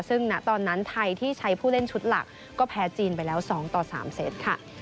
ซึ่งณตอนนั้นไทยที่ใช้ผู้เล่นชุดหลักก็แพ้จีนไปแล้ว๒ต่อ๓เซตค่ะ